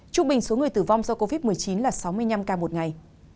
trung bình số người tử vong do covid một mươi chín là sáu mươi năm ca một ngày